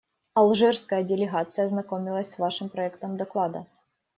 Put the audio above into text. Алжирская делегация ознакомилась с Вашим проектом доклада.